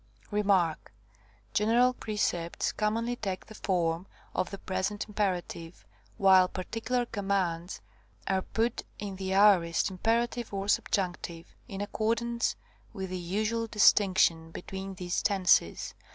(1 Tim. vi. 2.) Rem. General precepts commonly take the form of the present impera tive, while particular commands are put in the aorist (imperative or subjunctive), in accordance with the usual distinction between these tenses.